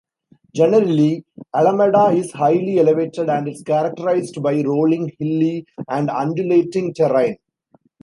Generally, Alamada is highly elevated and its characterized by rolling, hilly and undulating terrain.